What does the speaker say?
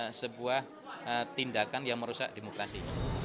ini adalah sebuah tindakan yang merusak demokrasi